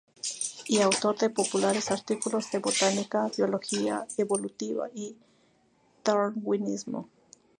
Y autor de populares artículos de Botánica, Biología evolutiva, y Darwinismo.